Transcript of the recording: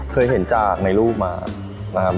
เคยเห็นจากในรูปมานะครับ